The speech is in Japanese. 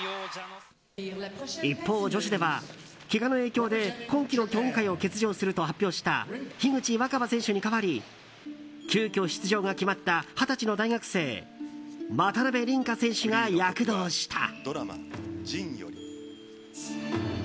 一方、女子ではけがの影響で今季の競技会を欠場すると発表した樋口新葉選手に代わり急きょ出場が決まった二十歳の大学生渡辺倫果選手が躍動した。